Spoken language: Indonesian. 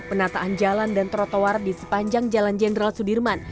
penataan jalan dan trotoar di sepanjang jalan jenderal sudirman